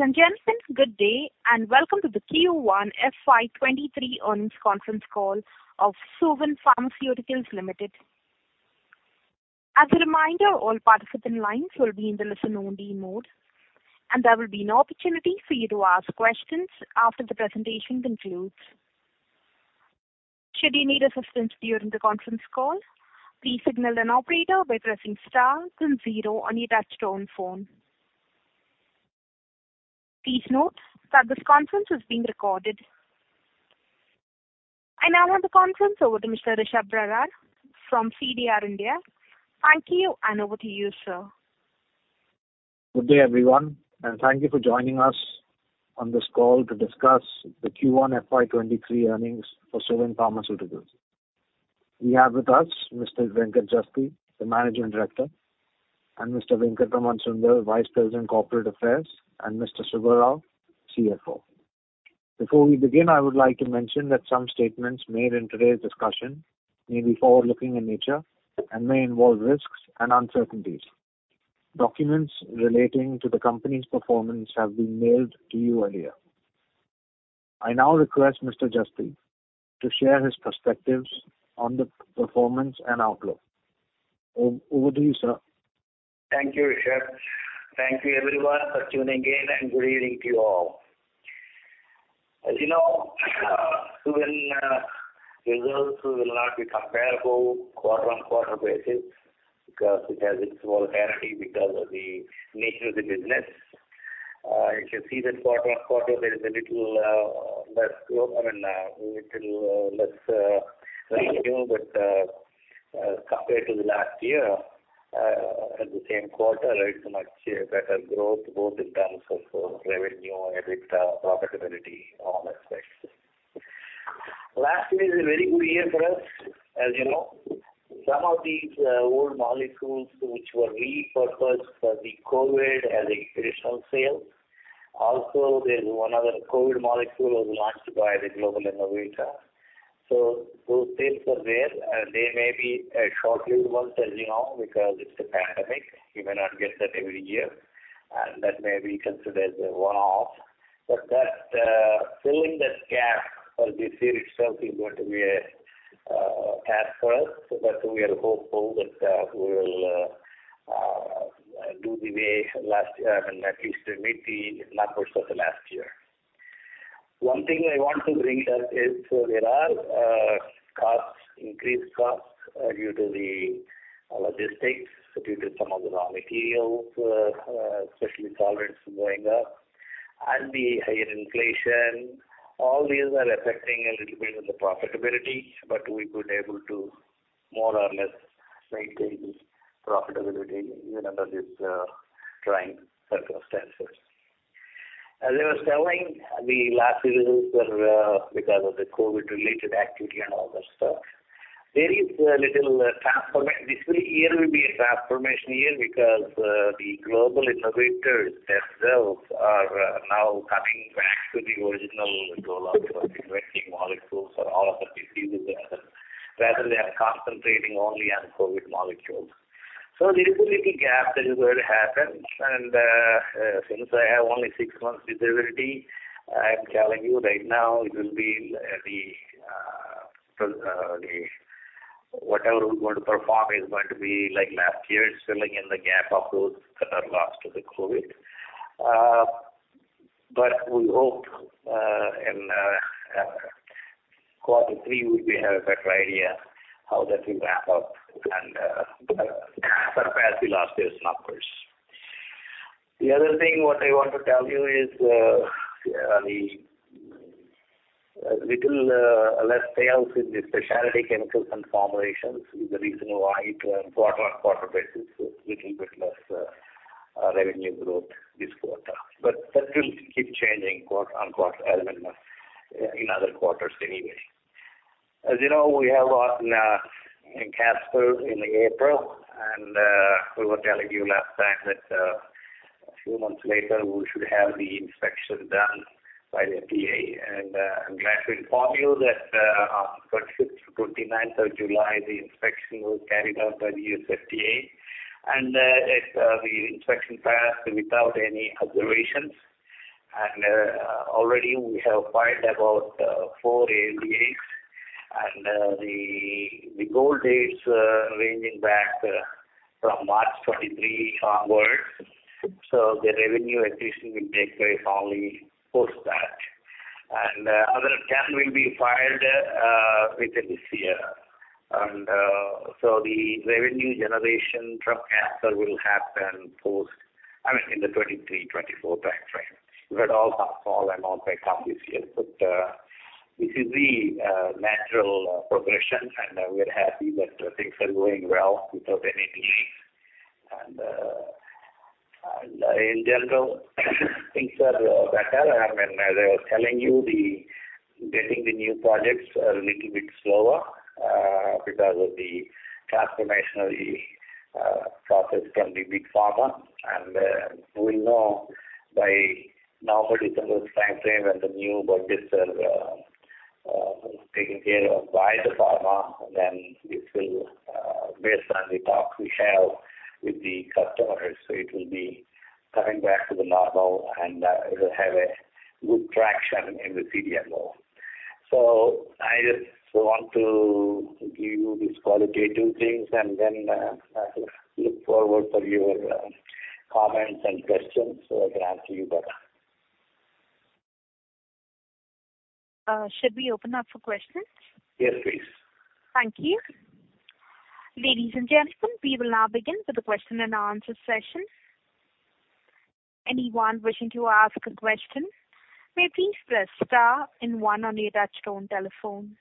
Ladies and gentlemen, good day, and welcome to the Q1 FY 2023 earnings conference call of Cohance Lifesciences. As a reminder, all participant lines will be in the listen only mode, and there will be an opportunity for you to ask questions after the presentation concludes. Should you need assistance during the conference call, please signal an operator by pressing star then zero on your touchtone phone. Please note that this conference is being recorded. I now hand the conference over to Mr. Rishabh Barar from CDR India. Thank you, and over to you, sir. Good day, everyone, and thank you for joining us on this call to discuss the Q1 FY 2023 earnings for Cohance Lifesciences. We have with us Mr. Venkat Jasti, the Managing Director, and Mr. Venkatraman Sunder, Vice President, Corporate Affairs, and Mr. Subba Rao, CFO. Before we begin, I would like to mention that some statements made in today's discussion may be forward-looking in nature and may involve risks and uncertainties. Documents relating to the company's performance have been mailed to you earlier. I now request Mr. Jasti to share his perspectives on the performance and outlook. Over to you, sir. Thank you, Rishabh. Thank you, everyone, for tuning in, and good evening to you all. As you know, Suven results will not be comparable quarter-on-quarter basis because it has its own parity because of the nature of the business. You can see that quarter-on-quarter there is a little less growth. I mean, little less revenue, but compared to the last year at the same quarter, it's much better growth both in terms of revenue and EBITDA profitability, all aspects. Last year is a very good year for us. As you know, some of these old molecules which were repurposed for the COVID as additional sales. Also, there's one other COVID molecule was launched by the global innovator. Those things were there, and they may be short-lived ones, as you know, because it's a pandemic. You may not get that every year, and that may be considered as a one-off. that filling that gap for this year itself is going to be a task for us. that we are hopeful that we will do the way last year and at least meet the numbers of the last year. One thing I want to bring up is there are costs, increased costs due to the logistics, due to some of the raw materials especially solvents going up and the higher inflation. All these are affecting a little bit on the profitability, but we could able to more or less maintain this profitability even under these trying circumstances. As I was telling, the last results were because of the COVID-related activity and all that stuff. There is a little transformation. This year will be a transformation year because the global innovators themselves are now coming back to the original goal of inventing molecules for all of the diseases rather they are concentrating only on COVID molecules. There is a little gap that is going to happen. Since I have only six months visibility, I am telling you right now it will be whatever we're going to perform is going to be like last year's, filling in the gap of those that are lost to the COVID. We hope in quarter three, we have a better idea how that will wrap up and surpass the last year's numbers. The other thing what I want to tell you is, the little less sales in the specialty chemicals and formulations is the reason why it was quarter-on-quarter basis, so it's little bit less revenue growth this quarter. That will keep changing quarter-on-quarter element in other quarters anyway. As you know, we have gotten Casper in April, and we were telling you last time that a few months later, we should have the inspection done by the FDA. I'm glad to inform you that on 26th to 29th of July, the inspection was carried out by the U.S. FDA, and the inspection passed without any observations. Already we have filed about four ANDAs, and the goal dates ranging back from March 2023 onwards. The revenue accretion will take place only post that. Another 10 will be filed within this year. The revenue generation from Casper will happen post that. I mean, in the 2023, 2024 timeframe. We're all hopeful and all very confident. This is the natural progression, and we're happy that things are going well without any delays. In general, things are better. I mean, as I was telling you, the getting the new projects are a little bit slower because of the transformational process from the big pharma. We'll know by November, December timeframe when the new budgets are taken care of by the pharma, then it will, based on the talk we have with the customers, so it will be coming back to the normal and, it'll have a good traction in the CDMO. I just want to give you these qualitative things and then, I look forward for your, comments and questions, so I can answer you better. Should we open up for questions? Yes, please. Thank you. Ladies and gentlemen, we will now begin with the question and answer session. Anyone wishing to ask a question may please press star and one on your touchtone telephone.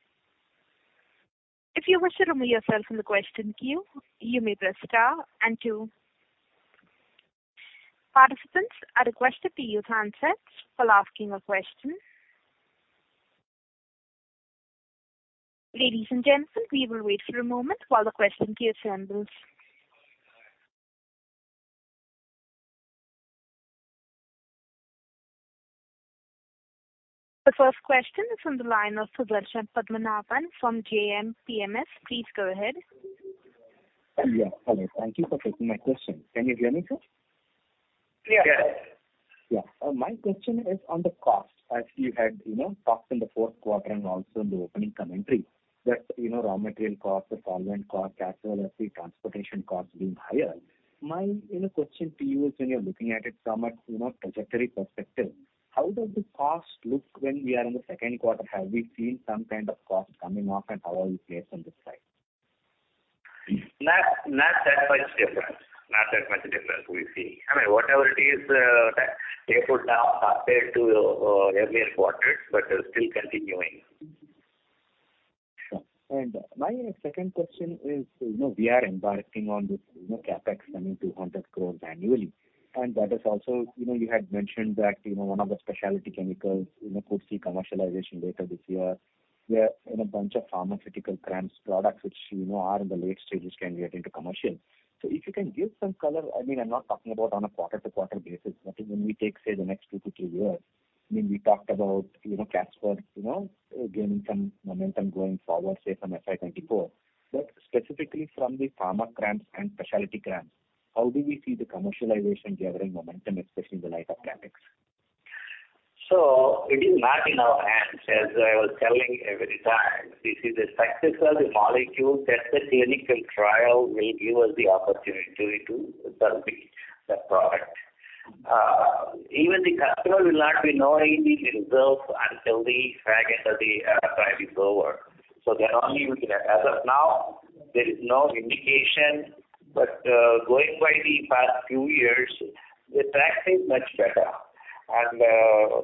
If you wish to remove yourself from the question queue, you may press star and two. Participants are requested to use handsets while asking a question. Ladies and gentlemen, we will wait for a moment while the question queue assembles. The first question is from the line of Sudarshan Padmanabhan from JM PMS. Please go ahead. Yeah. Hello. Thank you for taking my question. Can you hear me, sir? Yes. Yeah. My question is on the cost. As you had, you know, talked in the fourth quarter and also in the opening commentary that, you know, raw material costs, the solvent cost as well as the transportation costs being higher. My, you know, question to you is when you're looking at it from a, you know, trajectory perspective, how does the cost look when we are in the second quarter? Have we seen some kind of cost coming off, and how are you placed on this side? Not that much difference we see. I mean, whatever it is, that they put up compared to earlier quarters, but they're still continuing. Sure. My second question is, you know, we are embarking on this, you know, CapEx spending 200 crores annually, and that is also, you know, you had mentioned that, you know, one of the specialty chemicals, you know, could see commercialization later this year, where, you know, a bunch of pharmaceutical CRAMS products which you know are in the late stages can get into commercial. If you can give some color, I mean, I'm not talking about on a quarter-to-quarter basis, but when we take, say, the next two to three years, I mean, we talked about, you know, Casper, you know, gaining some momentum going forward, say from FY 2024. Specifically from the pharma CRAMS and specialty CRAMS, how do we see the commercialization gathering momentum, especially in the light of CapEx? It is not in our hands. As I was telling every time, we see the success of the molecule that the clinical trial will give us the opportunity to sell the product. Even the customer will not be knowing the results until the trial is over. Then only we can. As of now, there is no indication, but going by the past few years, the track record is much better.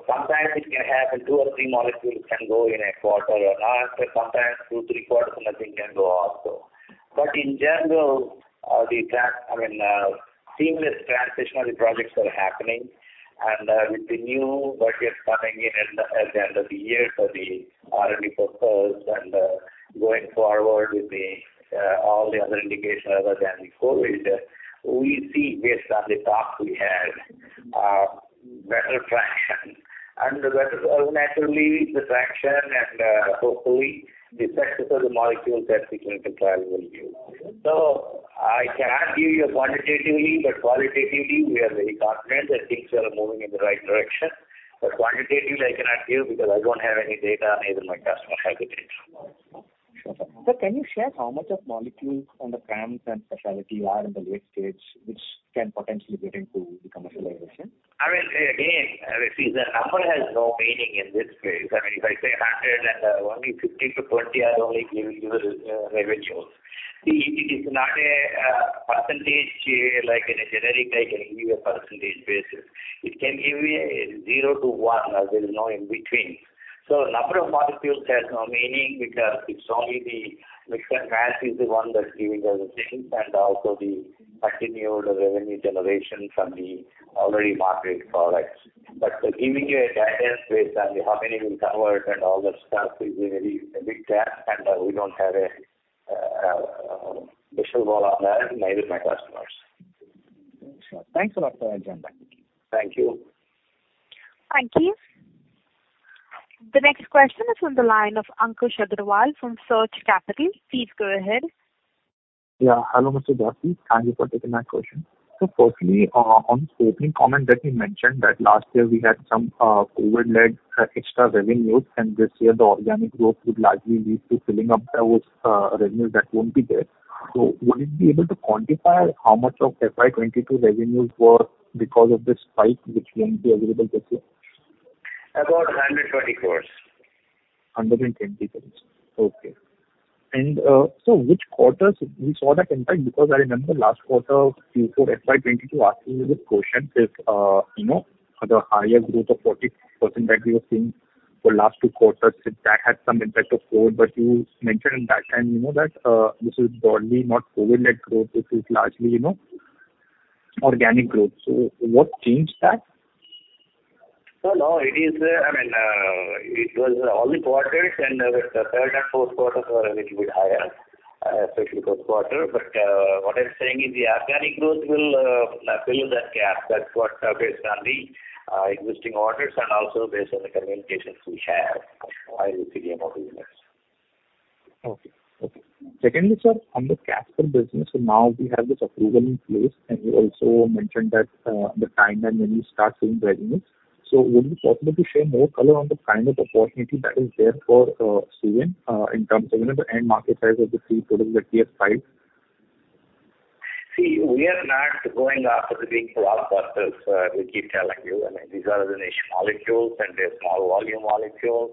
Sometimes it can happen two or three molecules can go in a quarter or not. Sometimes two, three quarters nothing can go also. In general, the track record, I mean, seamless transition of the projects are happening. With the new what is coming in at the end of the year for the R&D proposals and going forward with all the other indications other than the COVID, we see based on the talks we had better traction. Better. Naturally, the traction and hopefully the success of the molecule that the clinical trial will give. I cannot give you quantitatively, but qualitatively we are very confident that things are moving in the right direction. Quantitatively I cannot give because I don't have any data, neither my customer has the data. Sure, sir. Can you share how much of molecules in the CRAMS and specialty are in the late-stage, which can potentially get into the commercialization? I mean, again, you see the number has no meaning in this space. I mean, if I say 100 and only 50 to 20 are only giving you the revenues. See, it is not a percentage like in a generic I can give you a percentage basis. It can give you a 0 to 1. There's no in between. So number of molecules has no meaning because it's only the mix math is the one that's giving us the things and also the continued revenue generation from the already marketed products. But giving you a guidance based on how many we covered and all that stuff is a very big gap, and we don't have a visual on that, neither my customers. Sure. Thanks a lot for the agenda. Thank you. Thank you. The next question is from the line of Ankush Agarwal from Surge Capital. Please go ahead. Yeah. Hello, Mr. Jasti. Thank you for taking my question. Firstly, on opening comment that you mentioned that last year we had some COVID-led extra revenues and this year the organic growth would largely lead to filling up those revenues that won't be there. Would you be able to quantify how much of FY 2022 revenues were because of this spike which won't be available this year? About INR 120 crores. INR 120 crores. Okay. Which quarters we saw that impact? Because I remember last quarter Q4 FY 2022 asking you this question if you know, the higher growth of 40% that we were seeing for last two quarters, if that had some impact of COVID. You mentioned at that time, you know, that this is broadly not COVID-led growth. This is largely, you know, organic growth. What changed that? No, it is, I mean, it was all quarters and the third and fourth quarters were a little bit higher, especially fourth quarter. What I'm saying is the organic growth will fill that gap. That's what based on the existing orders and also based on the communications we have, I will figure out the units. Okay, okay. Secondly, sir, on the Casper business. Now we have this approval in place, and you also mentioned that the timeline when you start seeing revenues. Would it be possible to share more color on the kind of opportunity that is there for Suven in terms of, you know, the end market size of the three products that we have filed? See, we are not going after the big blockbusters. We keep telling you. I mean, these are the niche molecules, and they're small volume molecules.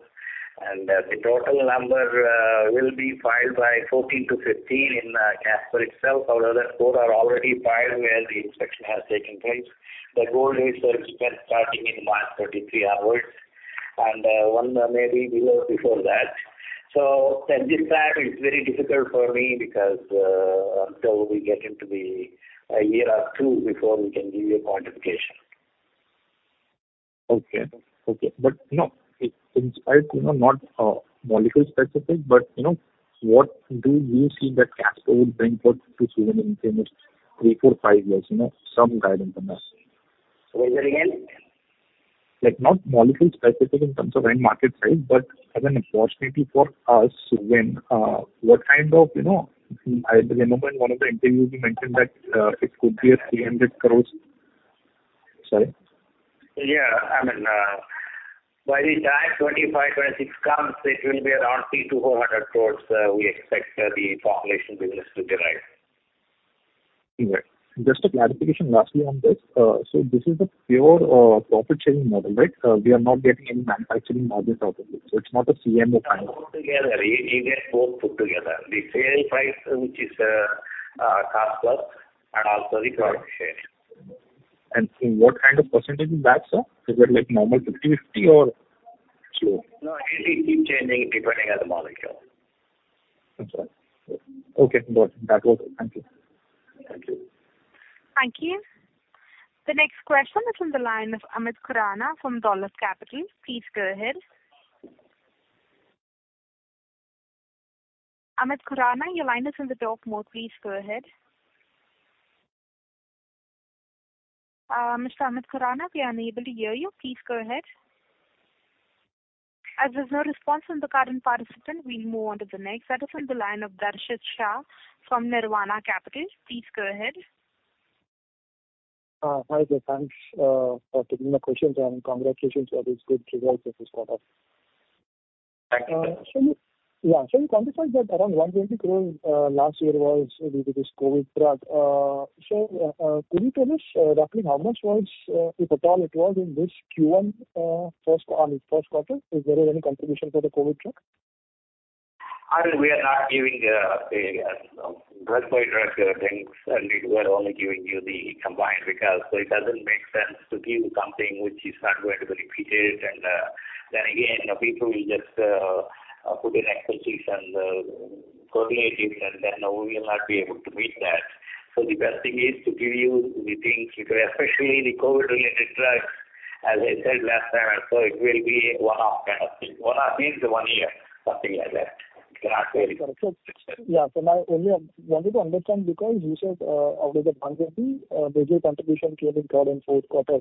The total number will be filed by 14-15 in Casper itself. Out of that, four are already filed, where the inspection has taken place. The goal is to expect starting in March 33 onwards, and one maybe below before that. At this time, it's very difficult for me because until we get into the year or two before we can give you a quantification. You know, despite, you know, not molecule specific, but, you know, what do you see that Casper would bring forth to Suven in the next three, four, five years? You know, some guidance on that. Say that again. Like, not molecule specific in terms of end market size, but as an opportunity for us, Suven, what kind of, you know. I remember in one of the interviews you mentioned that it could be 300 crore. Sorry. Yeah. I mean, by the time 2025, 2026 comes, it will be around 300-400 crore, we expect the formulation business to drive. Okay. Just a clarification lastly on this. This is a pure, profit sharing model, right? We are not getting any manufacturing margin out of it, so it's not a CMO kind of- All together. You get both put together. The sale price, which is, cost plus and also the profit sharing. What kind of percentage is that, sir? Is it like normal 50/50 or so? No, it'll keep changing depending on the molecule. I'm sorry. Okay. Got it. That's all. Thank you. Thank you. Thank you. The next question is on the line of Amit Khurana from Dolat Capital. Please go ahead. Amit Khurana, your line is on the talk mode. Please go ahead. Mr. Amit Khurana, we are unable to hear you. Please go ahead. As there's no response from the current participant, we'll move on to the next. That is on the line of Darshit Shah from Nirvana Capital. Please go ahead. Hi there. Thanks for taking my questions, and congratulations on these good results of this quarter. Thank you. You clarified that around 120 crore last year was due to this COVID drug. Could you tell us roughly how much was, if at all it was in this Q1, first quarter? Is there any contribution for the COVID drug? I mean, we are not giving drug by drug things, and we're only giving you the combined because so it doesn't make sense to give you something which is not going to be repeated. Then again, people will just put in exercises and coordinate it, and then we will not be able to meet that. The best thing is to give you the things, especially the COVID-related drug, as I said last time, and so it will be one-off kind of thing. One-off means one year, something like that. Yeah. Now only I wanted to understand because you said, out of the INR 120, major contribution came in Q4 in fourth quarter.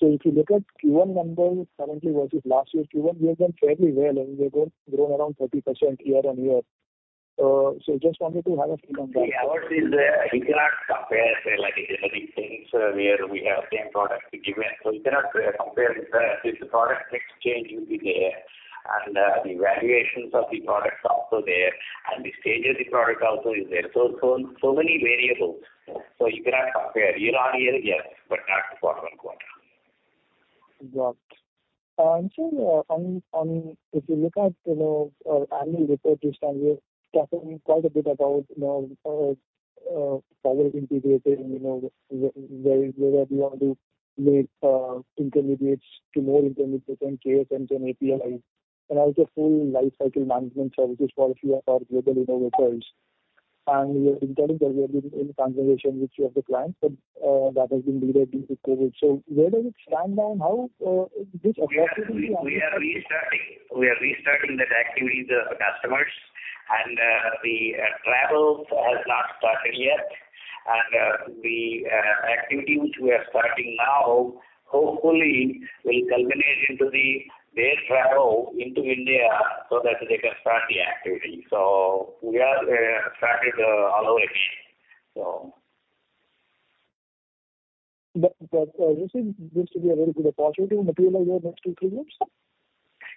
If you look at Q1 numbers currently versus last year's Q1, we have done fairly well, and we have grown around 30% year-on-year. Just wanted to have a read on that. You cannot compare, say, like generics, where we have same product given. You cannot compare. The product mix will be there, and the valuations of the products are also there, and the stage of the product also is there. Many variables. You cannot compare. Year-over-year, yes, but not quarter-over-quarter. Got it. If you look at, you know, annual report this time, you're talking quite a bit about, you know, forward integrating, you know, whether we want to make intermediates to more intermediates and KSMs and APIs, and also full lifecycle management services for a few of our global innovators. You're informing that we are in conversation with few of the clients, but that has been delayed due to COVID. Where does it stand now, and how which We are restarting. We are restarting that activity with the customers. The travel has not started yet. The activity which we are starting now hopefully will culminate into their travel into India so that they can start the activity. We are started all over again. This is going to be a very good opportunity to materialize in next two to three months?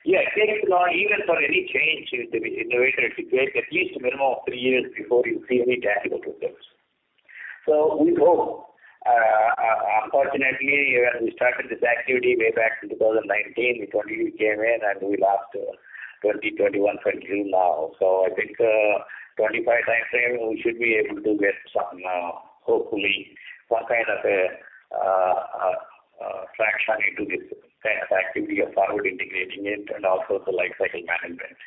Yeah. It takes a lot. Even for any change in the way that it takes at least a minimum of three years before you see any tangible results. We hope. Unfortunately, we started this activity way back in 2019. The COVID came in, and we lost 2021 completely now. I think, 2025 timeframe, we should be able to get some, hopefully some kind of a traction into this activity of forward integrating it and also the lifecycle management.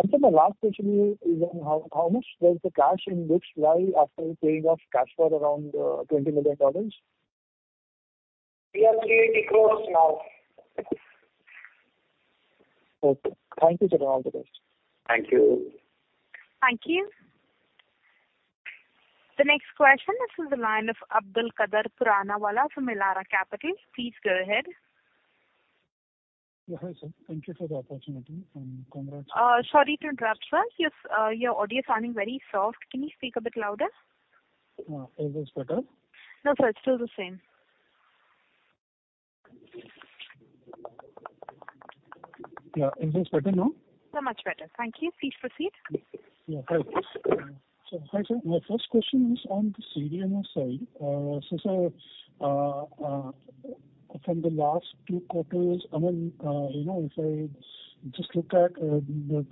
Sir, my last question to you is on how much was the cash in books now after paying off Casper Pharma around $20 million? We have INR 380 crores now. Okay. Thank you, sir, and all the best. Thank you. Thank you. The next question is from the line of Abdulkader Puranawala from Elara Capital. Please go ahead. Yeah. Hi, sir. Thank you for the opportunity. Congrats. Sorry to interrupt, sir. Yes, your audio is sounding very soft. Can you speak a bit louder? Is this better? No, sir, it's still the same. Yeah. Is this better now? Yeah, much better. Thank you. Please proceed. Yeah. Hi. Hi, sir. My first question is on the CDMO side. From the last two quarters, I mean, you know, if I just look at the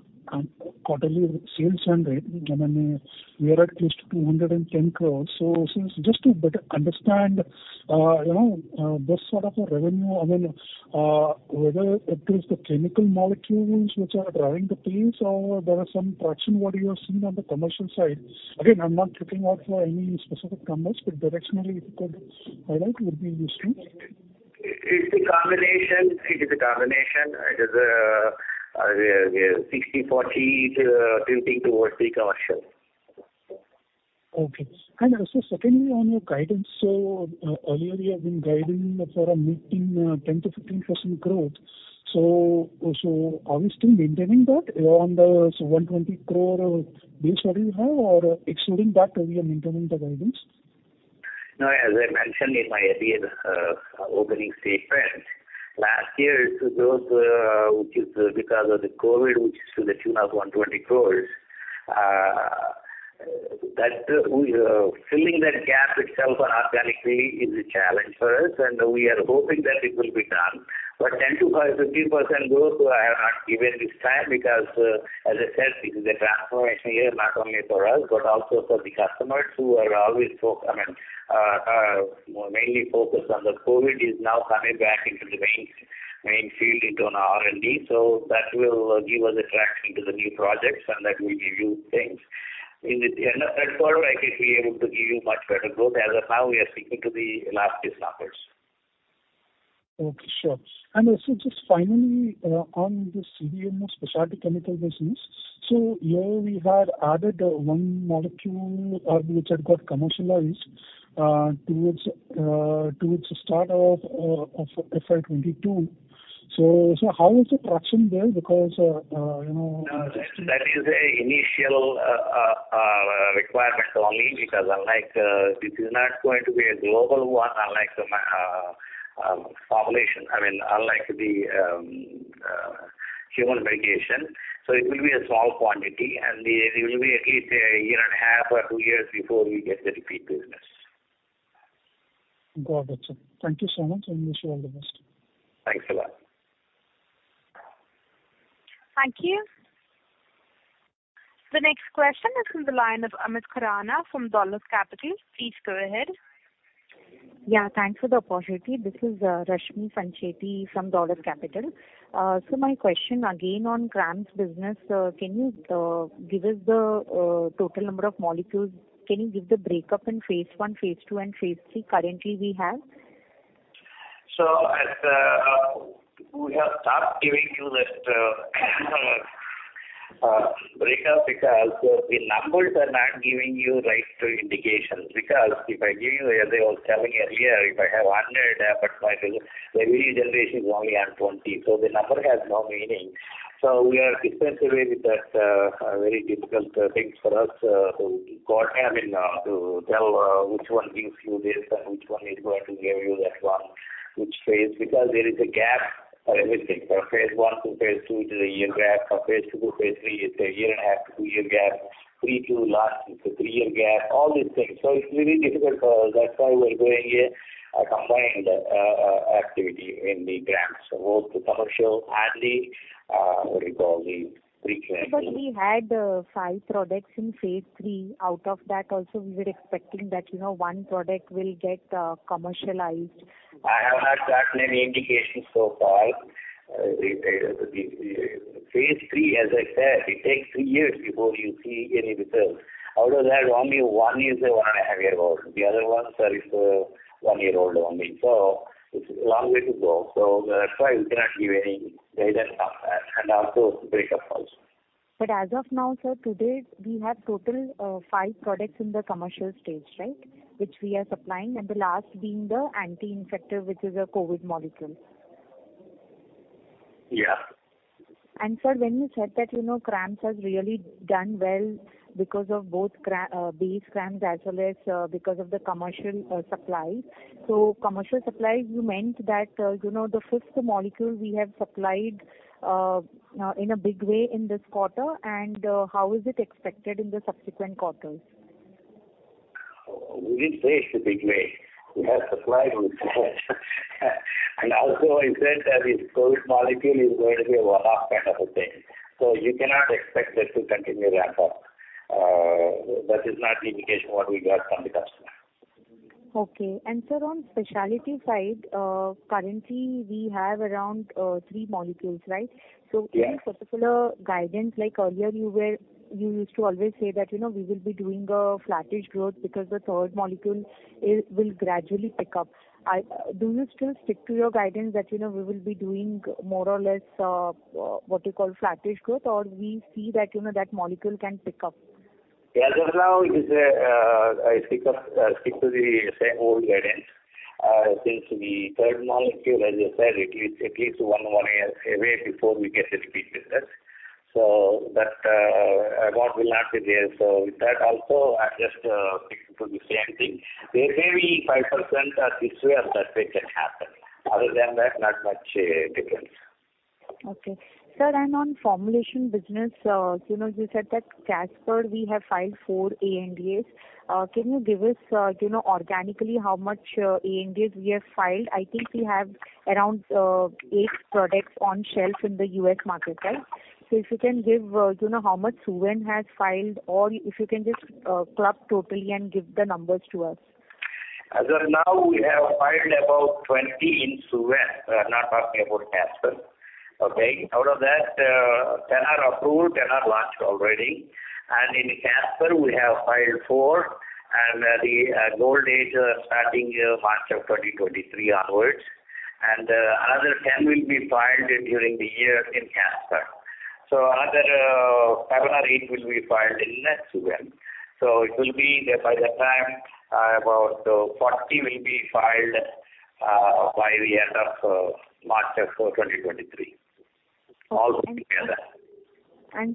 quarterly sales run rate, I mean, we are at close to 210 crore. Since just to better understand, you know, this sort of a revenue, I mean, whether it is the chemical molecules which are driving the pace or there are some traction what you are seeing on the commercial side. Again, I'm not looking out for any specific numbers, but directionally if you could highlight would be useful. It's a combination. It's 60/40. It's tilting towards the commercial. Okay. Also secondly on your guidance. Earlier you have been guiding for a mid-teen, 10%-15% growth. Are we still maintaining that on the 120 crore base what you have, or excluding that we are maintaining the guidance? No, as I mentioned in my earlier opening statement, last year's growth, which is because of the COVID, which is to the tune of 120 crores, that we filling that gap itself organically is a challenge for us, and we are hoping that it will be done. 10%-15% growth I have not given this time because, as I said, this is a transformation year, not only for us, but also for the customers who are always I mean, mainly focused on the COVID is now coming back into the main field into an R&D. That will give us a traction to the new projects and that will give you things. In the end of third quarter, I think we're able to give you much better growth. As of now, we are sticking to the last year's numbers. Okay. Sure. Just finally, on the CDMO specialty chemical business. Here we had added one molecule, which had got commercialized towards the start of FY 2022. How is the traction there? Because you know No, that is an initial requirement only because unlike, this is not going to be a global one, unlike the formulation. I mean, unlike the human medication, so it will be a small quantity and it will be at least a year and a half or two years before we get the repeat business. Got it, sir. Thank you so much, and wish you all the best. Thanks a lot. Thank you. The next question is from the line of Amit Khurana from Dolat Capital. Please go ahead. Yeah, thanks for the opportunity. This is Rashmi Sancheti from Dolat Capital. My question again on CRAMS business. Can you give us the total number of molecules? Can you give the breakup in phase I, phase II, and phase III currently we have? We have stopped giving you that breakdown because the numbers are not giving you right indications. Because if I give you, as I was telling earlier, if I have 100 but my revenue generation is only on 20, the number has no meaning. We are especially with that a very difficult thing for us to go ahead and to tell which one gives you this and which one is going to give you that one, which phase. Because there is a gap for everything. For phase I to phase II, it is a year gap. For phase II to phase III, it's a year and a half to two-year gap. Pre-II to last, it's a three-year gap. All these things. It's really difficult for us. That's why we're doing a combined activity in the CRAMS. Both the commercial and the what do you call, the pre-clinical. We had five products in phase III. Out of that also we were expecting that, you know, one product will get commercialized. I have not gotten any indication so far. Phase III, as I said, it takes three years before you see any results. Out of that, only one is a one and a half year old. The other ones are one year old only. It's a long way to go. That's why we cannot give any guidance on that and also breakup also. As of now, sir, today we have total, five products in the commercial stage, right? Which we are supplying, and the last being the anti-infective, which is a COVID molecule. Yeah. Sir, when you said that, you know, CRAMS has really done well because of both base CRAMS as well as, because of the commercial supply. Commercial supply, you meant that, you know, the fifth molecule we have supplied in a big way in this quarter, and how is it expected in the subsequent quarters? We didn't say it's a big way. We have supplied and also I said that this COVID molecule is going to be a one-off kind of a thing. You cannot expect that to continue ramp up. That is not the indication what we got from the customer. Okay. Sir, on specialty side, currently we have around three molecules, right? Yeah. Any particular guidance like earlier you used to always say that, you know, we will be doing a flattish growth because the third molecule will gradually pick up. Do you still stick to your guidance that, you know, we will be doing more or less what you call flattish growth? Or we see that, you know, that molecule can pick up? Yeah, as of now, I stick to the same old guidance since the third molecule, as you said, at least one year away before we get a repeat business. So that award will not be there. So with that also, I just stick to the same thing. Maybe 5% or this way or that way can happen. Other than that, not much difference. Okay. Sir, on formulation business, you know, you said that Casper, we have filed four ANDAs. Can you give us, you know, organically how much ANDAs we have filed? I think we have around eight products on shelf in the U.S. market, right? If you can give, you know, how much Suven has filed or if you can just club totally and give the numbers to us. As of now, we have filed about 20 in Suven. We are not talking about Casper. Okay? Out of that, 10 are approved, 10 are launched already. In Casper, we have filed four and the goal date starting March 2023 onwards. Another 10 will be filed during the year in Casper. Another seven or eight will be filed in Suven. It will be that by that time, about 40 will be filed by the end of March 2023. All together.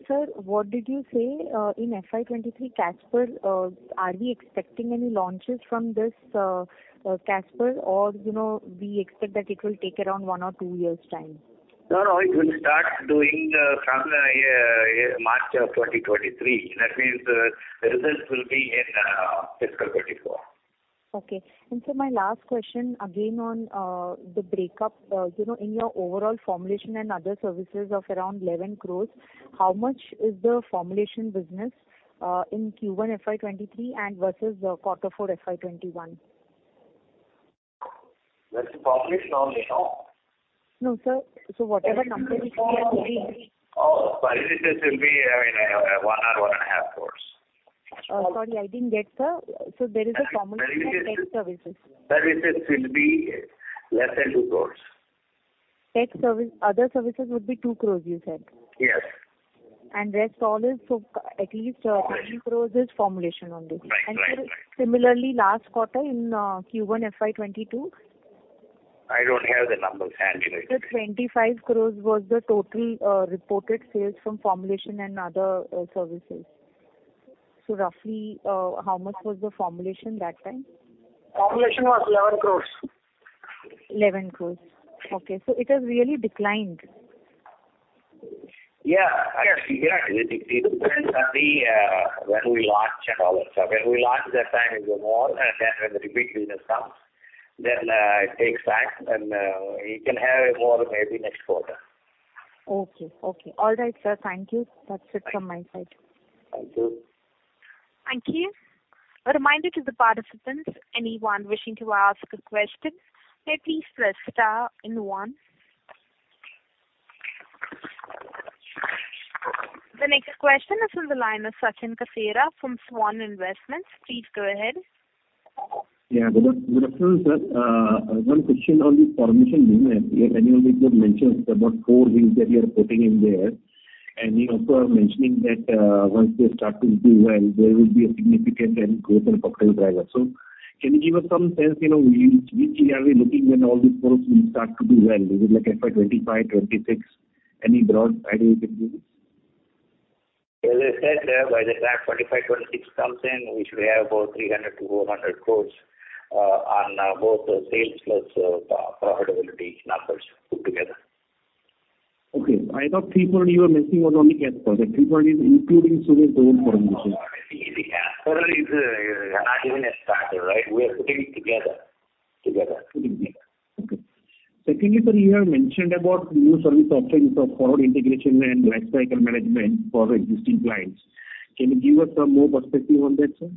Sir, what did you say in FY 2023 Casper? Are we expecting any launches from this Casper? Or, you know, we expect that it will take around one or two years' time. No, no. It will start doing from March of 2023. That means the results will be in fiscal 2034. Okay. Sir, my last question again on the breakup. You know, in your overall formulation and other services of around 11 crore, how much is the formulation business in Q1 FY 2023 and versus quarter four FY 2021? That's formulation only, no? No, sir. Whatever numbers we are doing. Services will be, I mean, 1-1.5 crore. Sorry, I didn't get it, sir. There is a formulation and tech services. Services will be less than 2 crores. Other services would be 2 crore you said. Yes. Rest all is for at least 8 crore is formulation only. Right. Sir, similarly, last quarter in Q1 FY 2022? I don't have the numbers handy right now. Sir, 25 crore was the total reported sales from formulation and other services. Roughly, how much was the formulation that time? Formulation was 11 crores. 11 crore. Okay. It has really declined. Yeah. I guess, yeah. It depends on the when we launch and all that stuff. When we launch, that time is more. Then when the repeat business comes, then it takes time. You can have it more maybe next quarter. Okay. All right, sir. Thank you. That's it from my side. Thank you. Thank you. A reminder to the participants. Anyone wishing to ask a question, may please press star and one. The next question is from the line of Sachin Kasera from SVAN Investment. Please go ahead. Good afternoon, sir. One question on the formulation business. Earlier, you had mentioned about four things that you are putting in there. You also are mentioning that once they start to do well, there will be a significant in growth and profitable driver. Can you give us some sense, you know, which year are we looking when all these four things start to do well? Is it like FY 2025, 2026? Any broad idea you can give me? As I said, by the time 2025, 2026 comes in, we should have about 300-400 crores on both sales plus profitability numbers put together. Okay. I thought 340 you were mentioning was only Casper. The 340 is including Suven's own formulation. The Casper is not even a starter, right? We are putting it together. Secondly, sir, you have mentioned about new service offerings of forward integration and lifecycle management for existing clients. Can you give us some more perspective on that, sir?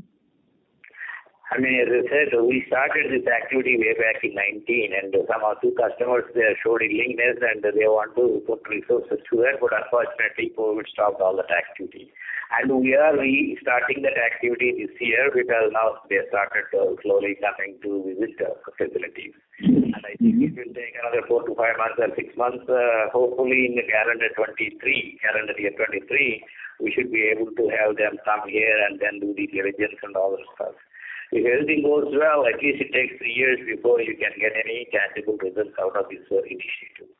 I mean, as I said, we started this activity way back in 2019, and some of the customers, they showed willingness, and they want to put resources to it, but unfortunately, COVID stopped all that activity. We are restarting that activity this year because now they have started slowly coming to visit facilities. I think it will take another four to five months and six months. Hopefully in the calendar 2023, calendar year 2023, we should be able to have them come here and then do the diligence and all that stuff. If everything goes well, at least it takes three years before you can get any tangible results out of this whole initiative.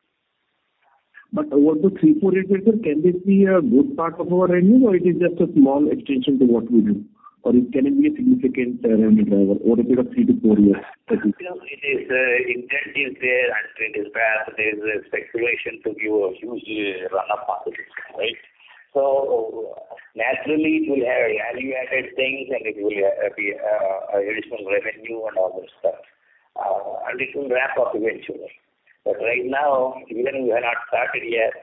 What the 340, sir, can this be a good part of our revenue, or it is just a small extension to what we do? Or can it be a significant revenue driver over the three to four years? The intent is there and it is there. There's a speculation to give a huge run-up opportunity, right? Naturally, it will have value-added things, and it will be additional revenue and all that stuff. Additional ramp-up eventually. Right now, even we have not started yet,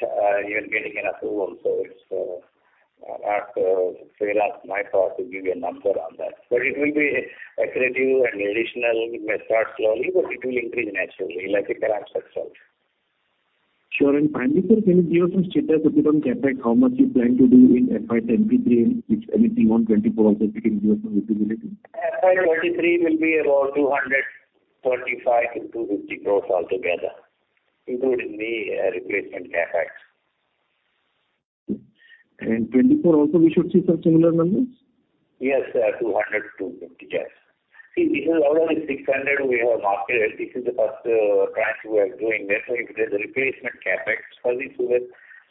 even getting an approval. It's not fair on my part to give you a number on that. It will be accretive and additional. It may start slowly, but it will increase naturally like a correct success. Sure. Finally, sir, can you give some status update on CapEx? How much you plan to do in FY 2023 and if anything on 2024 also, if you can give some visibility. FY 2023 will be about 235 crore-250 crore altogether. Including the replacement CapEx. 2024 also we should see some similar numbers? Yes, sir, 200 to 50 caps. See, this is already 600 we have marketed. This is the first tranche we are doing this. It is a replacement CapEx for the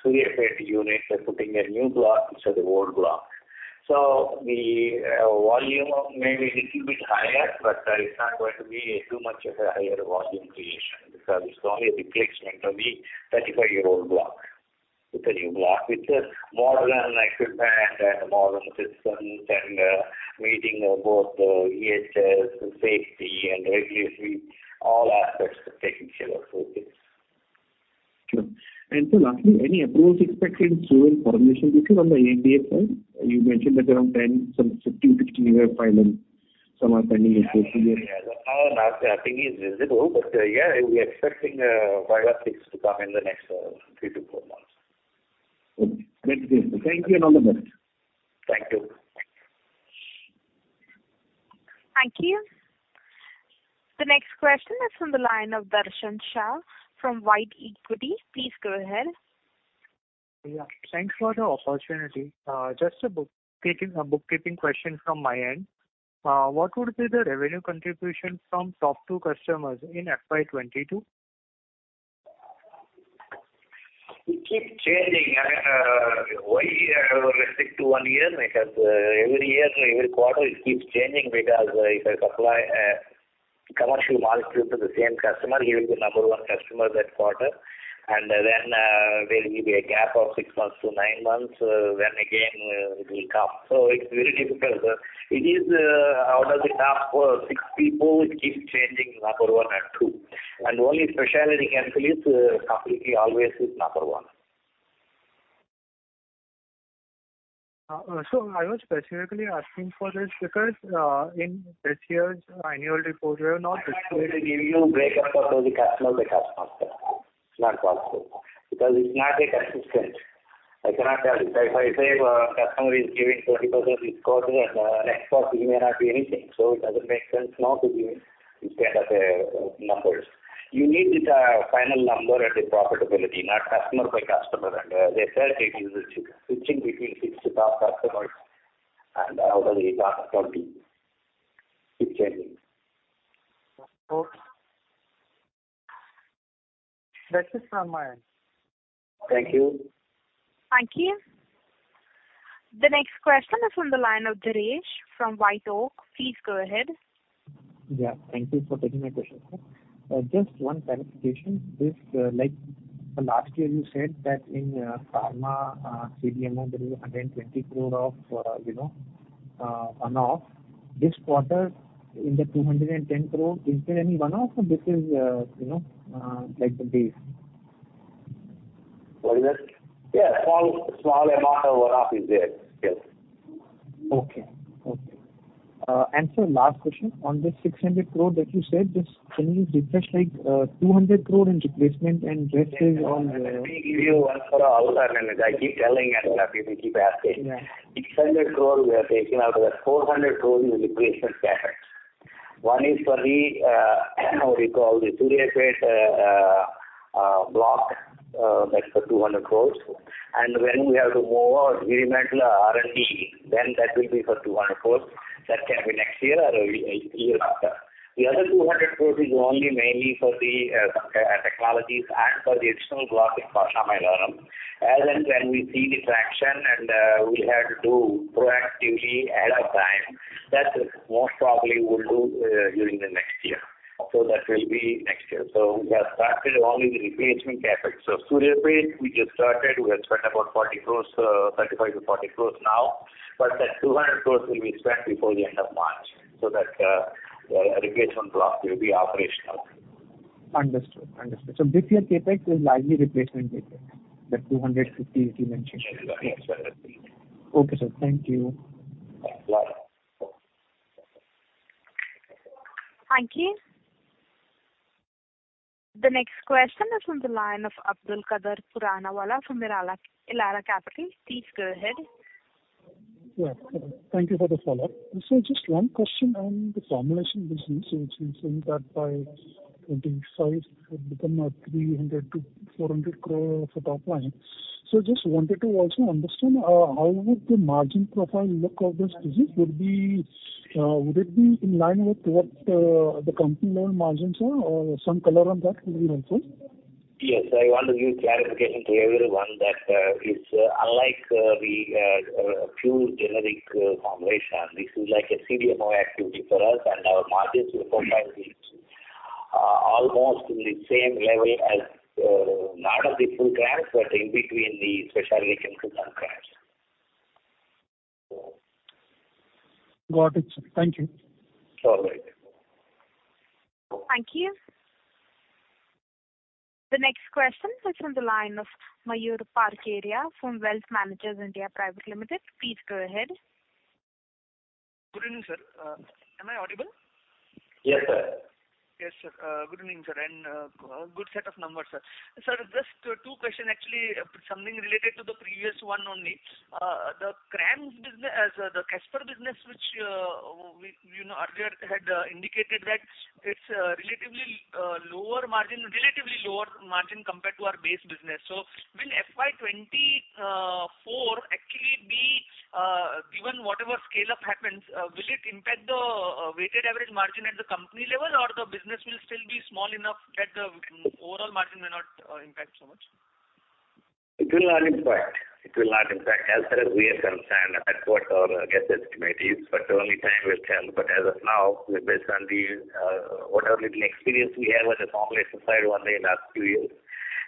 Suryapet unit. We're putting a new block instead of old block. The volume may be a little bit higher, but it's not going to be too much of a higher volume creation because it's only a replacement of the 35-year-old block with a new block. It's modern equipment and modern systems and meeting both the EHS, the safety and regulatory, all aspects are taken care of for this. Sure. Lastly, any approvals expected soon for the medicines? This is on the ANDA side. You mentioned that around 10, some 15, 16 we have filed and some are pending. Yeah. Now nothing is visible. Yeah, we are expecting five or six to come in the next three to four months. Good. Great. Thank you and all the best. Thank you. Thank you. The next question is from the line of Darshan Shah from White Equity. Please go ahead. Yeah, thanks for the opportunity. Just a bookkeeping question from my end. What would be the revenue contribution from top two customers in FY 2022? It keeps changing. Why restrict to one year? Because every year, every quarter it keeps changing because if I supply commercial molecule to the same customer, he will be number one customer that quarter. Then there will be a gap of six months to nine months when again it will come. It's very difficult, sir. It is out of the top six people, it keeps changing number one and two. Only specialty chemicals completely always is number one. I was specifically asking for this because, in this year's annual report, we have not. I can't really give you a breakdown of every customer by customer. It's not possible because it's not consistent. I cannot tell you. If I say a customer is giving 40% discount and next quarter he may not be anything, so it doesn't make sense now to give instead of the numbers. You need the final number and the profitability, not customer by customer. The third, it is switching between six top customers and out of the top 20, it keeps changing. Okay. That is from my end. Thank you. Thank you. The next question is from the line of Girish from White Oak. Please go ahead. Yeah, thank you for taking my question, sir. Just one clarification. Like last year you said that in pharma CDMO there is 120 crore of, you know, one-off. This quarter in the 210 crore, is there any one-off or this is, you know, like the base? What is that? Yeah, small amount of one-off is there, yes. Okay. Sir, last question. On this 600 crore that you said, just can you refresh, like, 200 crore in replacement and rest is on the- Let me give you once and for all, sir. I keep telling and you people keep asking. Yeah. INR 600 crore we are taking. Out of that, INR 400 crore is replacement CapEx. One is for the, what you call the Suryapet block, that's the 200 crore. When we have to move on Visakhapatnam R&D, then that will be for 200 crore. That can be next year or a year after. The other 200 crore is only mainly for the technologies and for the additional block in Pashamylaram. As and when we see the traction and we have to do proactively ahead of time, that most probably we'll do during the next year. That will be next year. We have started only the replacement CapEx. Suryapet, we just started. We have spent about 40 crores, 35 crores-40 crores now, but that 200 crores will be spent before the end of March, so that the replacement block will be operational. Understood. This year CapEx is largely replacement CapEx, the 250 you mentioned. Yes. Okay, sir. Thank you. Welcome. Thank you. The next question is from the line of Abdulkader Puranawala from Elara Capital. Please go ahead. Yeah. Thank you for the follow-up. Just one question on the formulation business. It's been said that by 2025 it would become a 300 crore-400 crore of the top line. Just wanted to also understand how would the margin profile look of this business? Would it be in line with what the company-wide margins are? Or some color on that will be helpful. Yes. I want to give clarification to everyone that it's unlike the pure generic formulation. This is like a CDMO activity for us, and our margins will profile to almost in the same level as not of the full tranche, but in between the specialty chemicals and tranche. Got it, sir. Thank you. All right. Thank you. The next question is from the line of Mayur Parkeria from Wealth Managers (India) Private Limited. Please go ahead. Good evening, sir. Am I audible? Yes, sir. Yes, sir. Good evening, sir, and good set of numbers, sir. Sir, just two questions actually, something related to the previous one only. The CRAMS business, the Casper business, which, we, you know, earlier had indicated that it's a relatively lower margin compared to our base business. Will FY 2024 actually be, given whatever scale-up happens, will it impact the weighted average margin at the company level or the business will still be small enough that the overall margin may not impact so much? It will not impact. As far as we are concerned, that's what our guess estimate is, but only time will tell. As of now, based on the, whatever little experience we have with the formula supplied only in last few years,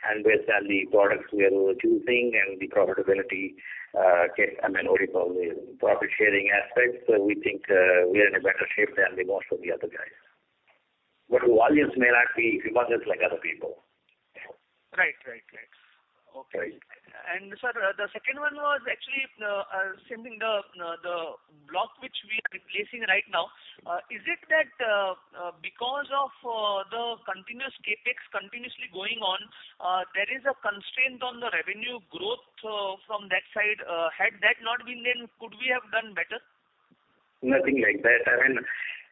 and based on the products we are choosing and the profitability, I mean, what do you call it, profit sharing aspect. We think we are in a better shape than the most of the other guys. Volumes may not be tremendous like other people. Right. Okay. Right. Sir, the second one was actually same thing, the block which we are replacing right now, is it that because of the continuous CapEx continuously going on, there is a constraint on the revenue growth from that side. Had that not been then could we have done better? Nothing like that. I mean,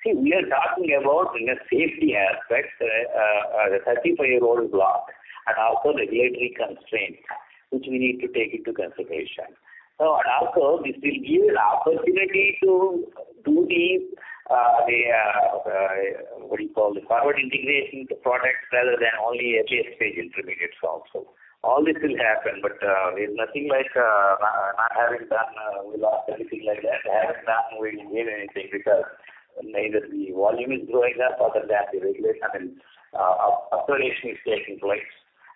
see, we are talking about, you know, safety aspects, the 35-year-old block and also regulatory constraints, which we need to take into consideration. This will give an opportunity to do the forward integration products rather than only API stage intermediates also. All this will happen, but, there's nothing like, not having done with us, anything like that. I haven't done will gain anything because neither the volume is growing up other than the regulation, I mean, upgradation is taking place.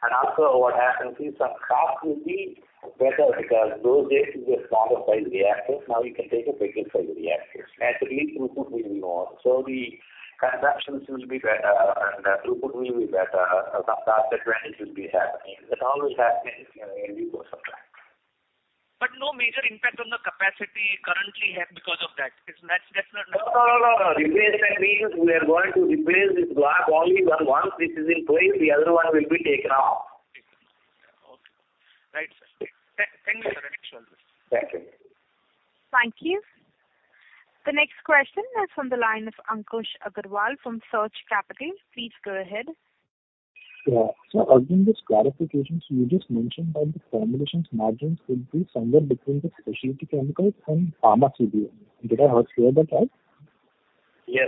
What happens is some cost will be better because those days we have smaller size reactors, now you can take a bigger size reactors. Naturally, throughput will be more. The consumptions will be better, the throughput will be better. Some cost advantage will be happening. That all will happen in due course of time. No major impact on the capacity we currently have because of that. That's definitely. No. Replacement means we are going to replace this block only for once this is in place, the other one will be taken off. Okay. Right, sir. Thanks for answering this. Thank you. Thank you. The next question is from the line of Ankush Agarwal from Surge Capital. Please go ahead. Yeah. Again, just clarifications, you just mentioned that the formulations margins will be somewhere between the specialty chemicals and pharma CDMO. Did I hear that right? Yes.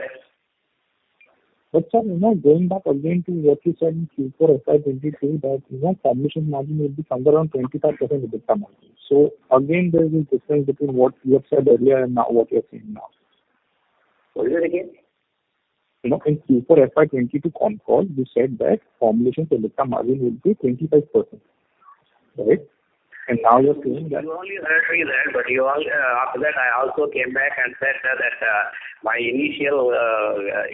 sir, you know, going back again to what you said in Q4 FY 2022 that, you know, formulation margin will be somewhere around 25% EBITDA margin. again, there is a difference between what you have said earlier and now what you are saying now. What is that again? You know, in Q4 FY 2022 conference call, you said that formulation EBITDA margin would be 25%. Right? Now you're saying that- You only heard me there, but you all, after that I also came back and said that my initial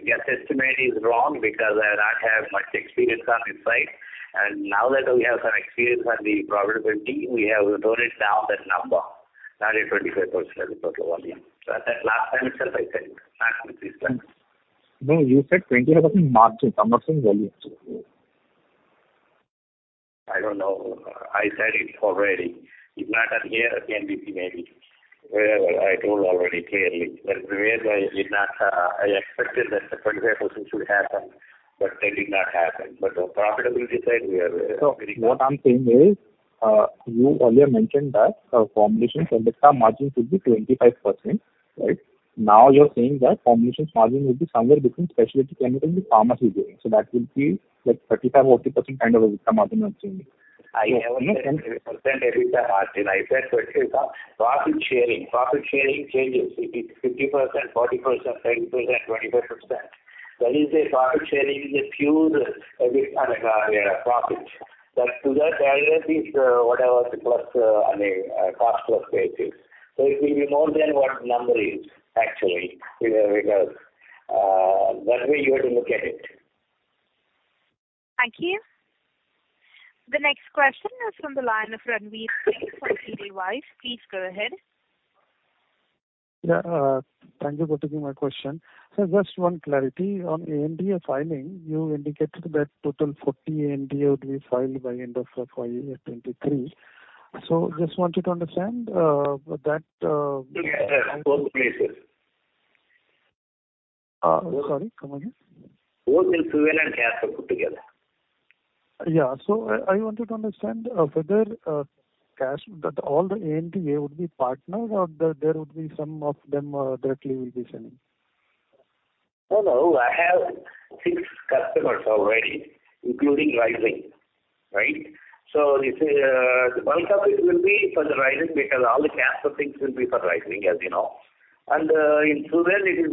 guess estimate is wrong because I did not have much experience on this side. Now that we have some experience on the profitability, we have toned it down that number, not 25% of the total volume. I said last time itself, not with this time. No, you said 25% margin, not margin volume. I don't know. I said it already. If not on air, at NBP maybe. Well, I told already clearly. Previously I did not, I expected that the 25% should happen, but that did not happen. On profitability side, we are very happy. What I'm saying is, you earlier mentioned that, formulation EBITDA margins would be 25%, right? Now you're saying that formulation margin would be somewhere between specialty chemical and the pharma CDMO. That would be like 35%-40% kind of a EBITDA margin I'm seeing. I never said 30% EBITDA margin. I said profit sharing. Profit sharing changes. It is 50%, 40%, 10%, 25%. When you say profit sharing is a pure, this, profit. But to that, add up this, whatever the plus, I mean, cost plus basics. It will be more than what number is actually, you know, because that way you have to look at it. Thank you. The next question is from the line of Ranvir Singh from Edelweiss. Please go ahead. Yeah, thank you for taking my question. Just one clarity. On ANDA filing, you indicated that total 40 ANDA would be filed by end of FY 2023. Just wanted to understand, that, Together, both places. Sorry, come again. Both in Suven and Casper put together. Yeah, I wanted to understand whether Casper that all the ANDAs would be partners or there would be some of them directly will be selling. No, no. I have six customers already, including Rising. Right? So if the bulk of it will be for the Rising because all the Casper things will be for Rising, as you know. In Suven, it is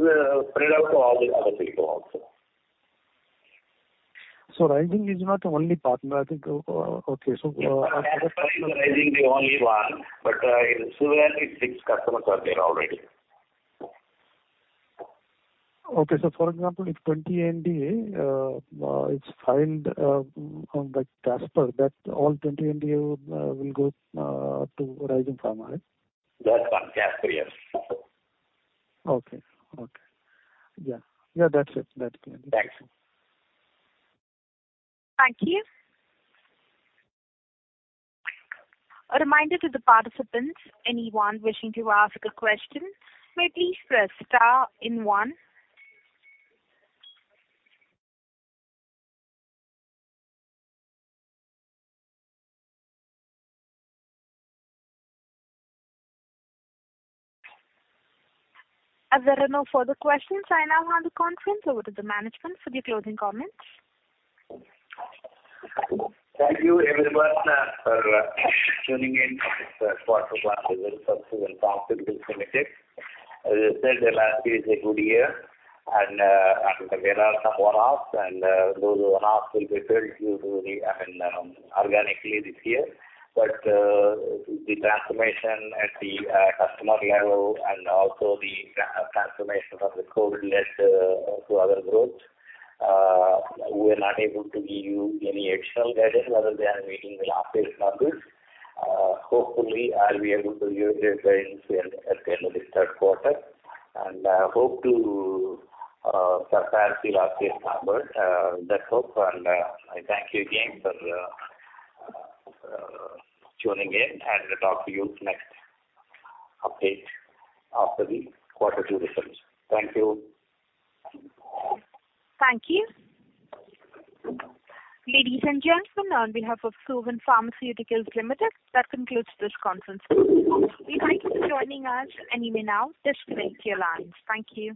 spread out to all the other people also. Rising is not the only partner, I think. As far as Casper, it's Rising the only one, but in Suven it's six customers are there already. Okay. For example, if 20 ANDA is filed on like Casper, that all 20 ANDA will go to Horizon Pharma, right? That one, Casper, yes. Okay. Yeah, that's it. That's clear. Thanks. Thank you. A reminder to the participants, anyone wishing to ask a question may please press star and one. As there are no further questions, I now hand the conference over to the management for the closing comments. Thank you everyone for tuning in for this quarter results of Suven Pharmaceuticals Limited. As I said, the last year is a good year, and there are some one-offs, and those one-offs will be built usually, I mean, organically this year. The transformation at the customer level and also the transformation from the COVID-led to other growth, we're not able to give you any additional guidance other than meeting the last year's numbers. Hopefully, I'll be able to give you a guidance at the end of this third quarter, and hope to surpass the last year's numbers. That's all for now. I thank you again for tuning in, and talk to you next update after the quarter two results. Thank you. Thank you. Ladies and gentlemen, on behalf of Suven Pharmaceuticals Limited, that concludes this conference call. We thank you for joining us. You may now disconnect your lines. Thank you.